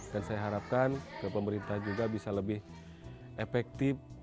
dan saya harapkan pemerintah juga bisa lebih efektif